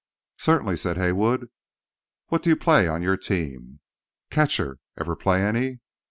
"Certainly," said Haywood. "What do you play on your team?" "Ketcher. Ever play any?"